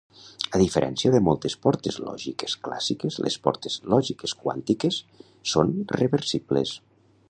A diferència de moltes portes lògiques clàssiques, les portes lògiques quàntiques són reversibles.